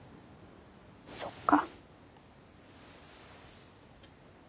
そっか。